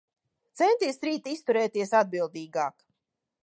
Centies rīt izturēties atbildīgāk.